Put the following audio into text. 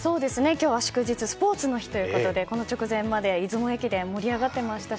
今日は祝日スポーツの日ということでこの直前まで出雲駅伝が盛り上がっていました。